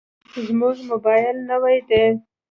زما موبایل نوی دی.